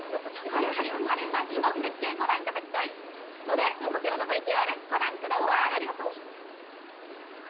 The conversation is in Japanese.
やはり晴れた日の絶景ご覧いただきたいのでこちらのＶＴＲをご覧ください。